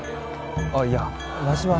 あっいやわしは。